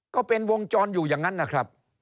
ก็เป็นวงจรอยู่อย่างนั้นนะครับ